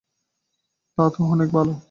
তা তো অনেক ভালো।